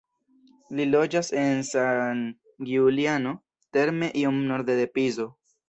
Li loĝas en San Giuliano Terme iom norde de Pizo.